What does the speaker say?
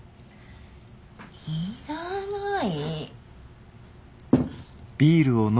いらない。